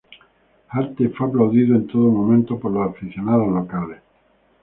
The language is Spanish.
Harte fue aplaudido en todo momento por los aficionados locales.